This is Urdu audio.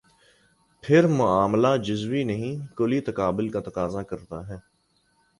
پھر معاملہ جزوی نہیں، کلی تقابل کا تقاضا کرتا ہے۔